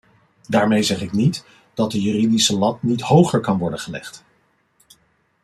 Daarmee zeg ik niet dat de juridische lat niet hoger kan worden gelegd.